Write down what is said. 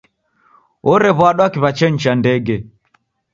Orew'adwa kiw'achenyi cha ndege.